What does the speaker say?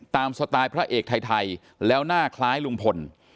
สไตล์พระเอกไทยแล้วหน้าคล้ายลุงพล